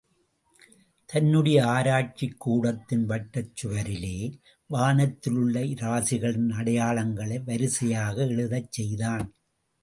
தன்னுடைய ஆராய்ச்சிக் கூடத்தின் வட்டச் சுவரிலே, வானத்தில் உள்ள இராசிகளின் அடையாளங்களை வரிசையாக எழுதச் செய்தான்.